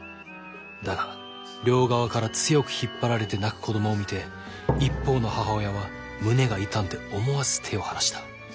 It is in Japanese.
だが両側から強く引っ張られて泣く子どもを見て一方の母親は胸が痛んで思わず手を離した。